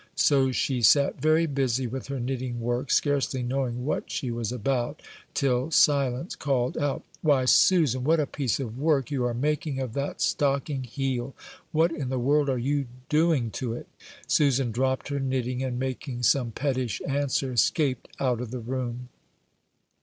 So she sat very busy with her knitting work, scarcely knowing what she was about, till Silence called out, "Why, Susan, what a piece of work you are making of that stocking heel! What in the world are you doing to it?" Susan dropped her knitting, and making some pettish answer, escaped out of the room.